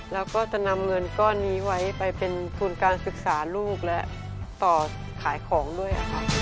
แล้วก็จะนำเงินก้อนนี้ไว้ไปเป็นทุนการศึกษาลูกและต่อขายของด้วยค่ะ